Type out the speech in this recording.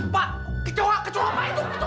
pak kecoa kecoa apa itu